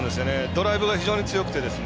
ドライブが非常に強くて。